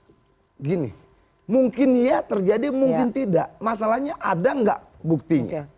begini mungkin iya terjadi mungkin tidak masalahnya ada nggak buktinya